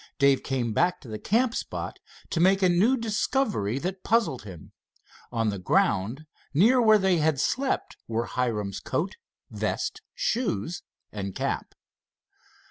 Dave came back to the camp spot to make a new discovery that puzzled him. On the ground near where they had slept were Hiram's coat, vest, shoes and cap.